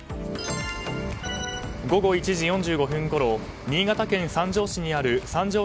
午後１時４５分ごろ新潟県三条市にある三条